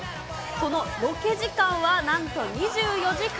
そのロケ時間はなんと２４時間。